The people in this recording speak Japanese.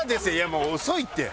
もう遅いって！